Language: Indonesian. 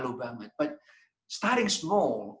kecuali saya mulai dengan big malo